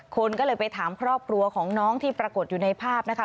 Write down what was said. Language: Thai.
คนก็เลยไปถามครอบครัวของน้องที่ปรากฏอยู่ในภาพนะคะ